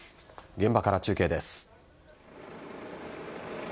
現場から中継です。